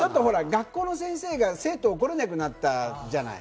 学校の先生が生徒を怒れなくなったじゃない。